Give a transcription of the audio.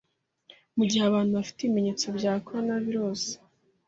Mu gihe abantu bafite ibimenyetso bya Coronavirus